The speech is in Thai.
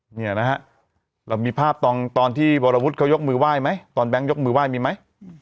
เรามีภาพตอนที่บรรวุฒิเขายกมือไหว้มั้ยตอนแบงค์ยกมือไหว้มีมั้ย